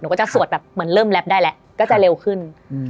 ก็จะสวดแบบเหมือนเริ่มแรปได้แล้วก็จะเร็วขึ้น